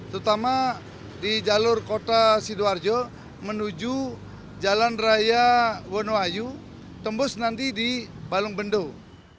terutama di jalur kota sidoarjo menuju jalan raya wonohayu tembus nanti di balengbendung